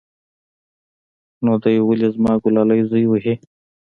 نو دى ولې زما گلالى زوى وهي.